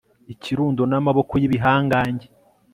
Ikirundo namaboko yibihangange